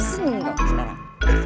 seneng dong sekarang